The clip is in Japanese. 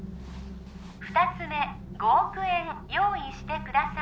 二つ目５億円用意してください